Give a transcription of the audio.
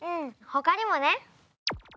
ほかにもね。